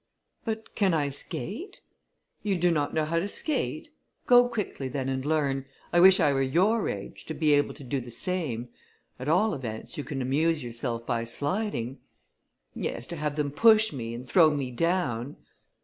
"But can I skate?" "You do not know how to skate? Go quickly then and learn; I wish I were your age, to be able to do the same: at all events you can amuse yourself by sliding." "Yes, to have them push me, and throw me down."